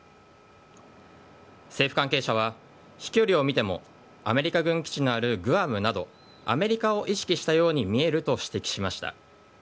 政府関係者は、飛距離を見ても、アメリカ軍基地のあるグアムなど、アメリカを意識したように見えると指摘しました。